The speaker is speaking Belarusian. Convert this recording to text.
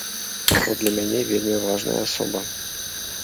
Бо для мяне вельмі важная асоба.